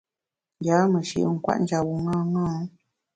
Yâ meshi’ yin kwet njap bu ṅaṅâ.